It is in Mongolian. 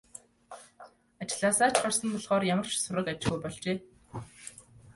Ажлаасаа ч гарсан болохоор ямар ч сураг ажиггүй болжээ.